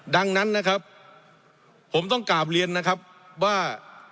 ดังนั้นนะครับผมต้องกราบเรียนนะครับว่า